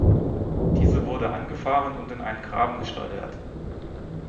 Diese wurde angefahren und in einen Graben geschleudert.